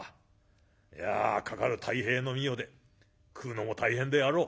いやかかる太平の御代で食うのも大変であろう。